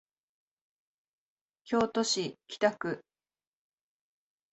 京都市北区